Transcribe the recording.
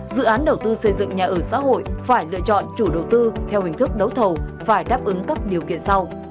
dự án đầu tư xây dựng nhà ở xã hội phải lựa chọn chủ đầu tư theo hình thức đấu thầu phải đáp ứng các điều kiện sau